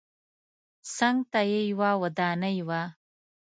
څنګ ته یې یوه ودانۍ وه.